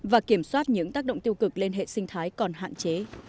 và kiểm soát những tác động tiêu cực lên hệ sinh thái còn hạn chế